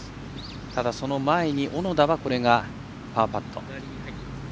ただその前に小野田のパーパット。